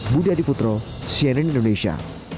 budi adiputro cnn indonesia